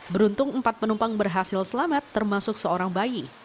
beruntung empat penumpang berhasil selamat termasuk seorang bayi